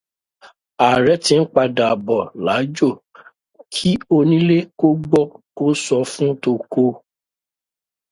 Ààrẹ tí ń padà bọ̀ láàjò, kí onílé kó gbọ́ kó sọ fún toko